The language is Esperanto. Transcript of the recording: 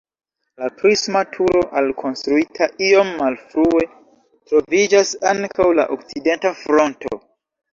La prisma turo, alkonstruita iom malfrue, troviĝas antaŭ la okcidenta fronto.